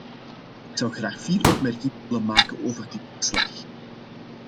Ik zou graag vier opmerkingen willen maken over dit verslag.